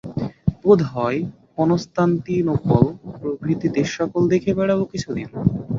বোধ হয় কনস্তান্তিনোপল প্রভৃতি দেশসকল দেখে বেড়াব কিছুদিন।